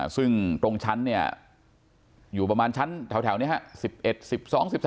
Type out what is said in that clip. ซึ่งตรงชั้นเนี่ยอยู่ประมาณชั้นแถวนี้ครับ